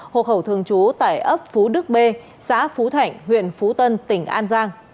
hộ khẩu thường trú tại ấp phú đức b xã phú thạnh huyện phú tân tỉnh an giang